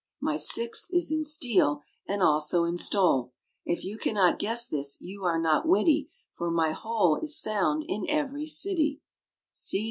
My sixth is in steal, and also in stole. If you can not guess this, you are not witty, For my whole is found in every city.